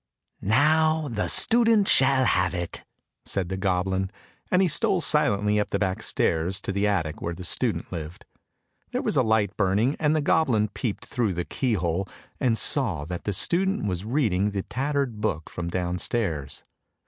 " Now the student shall have it," said the goblin, and he stole silently up the back stairs to the attic where the student lived. There was a light burning, and the goblin peeped through the key hole, and saw that the student was reading the tattered book from downstairs.